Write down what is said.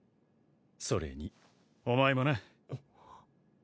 それにお前もな。